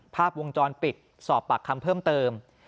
ภาพวงจรปิดสอบปากคำเพิ่มเติม